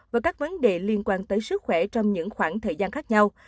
và các vấn đề liên quan tới sức khỏe trong những khoảng thời gian khác nhau